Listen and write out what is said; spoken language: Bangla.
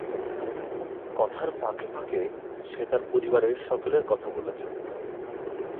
কথার ফাঁকে ফাঁকে সে তার পরিবারের সকলের কথা বলেছেন।